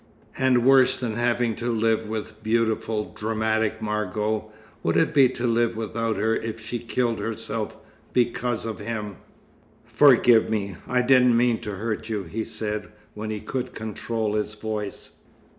And worse than having to live with beautiful, dramatic Margot, would it be to live without her if she killed herself because of him. "Forgive me. I didn't mean to hurt you," he said when he could control his voice.